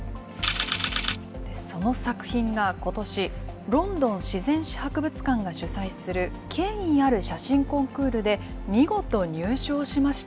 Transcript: その作品がことし、ロンドン自然史博物館が主催する権威ある写真コンクールで見事入賞しました。